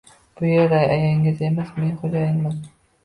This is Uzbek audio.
Bu uyda ayangiz emas, men xoʻjayinman